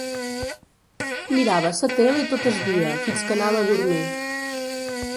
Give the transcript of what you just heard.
Mirava sa tele tot es dia fins que anava a dormir